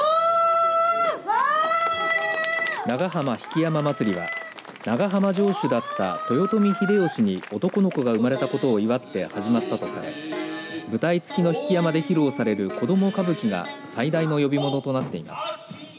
長浜曳山祭は長浜城主だった豊臣秀吉に男の子が生まれたことを祝って始まったとされ舞台付きの曳山で披露される子ども歌舞伎が最大の呼び物となっています。